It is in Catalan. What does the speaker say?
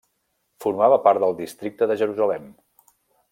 Formava part del districte de Jerusalem.